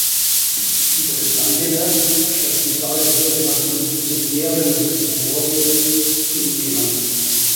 Wie bereits angemerkt, steigt die Zahl der sogenannten universitären Repetitorien zunehmend.